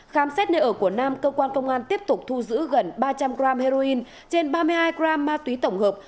khám xét nơi ở của nam cơ quan công an tiếp tục thu giữ gần ba trăm linh g heroin trên ba mươi hai gram ma túy tổng hợp